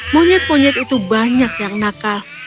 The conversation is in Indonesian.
monyet monyet itu banyak yang nakal